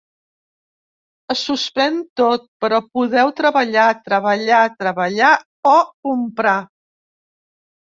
Es suspèn tot però podeu: treballar, treballar, treballar o comprar.